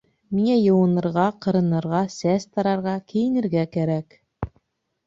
Миңә йыуынырға, ҡырынырға, сәс тарарға, кейенергә кәрәк.